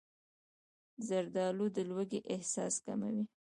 زردالو د لوږې احساس کموي.